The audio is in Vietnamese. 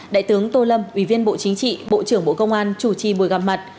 đại tướng tô lâm ủy viên bộ chính trị bộ trưởng bộ công an chủ trì buổi gặp mặt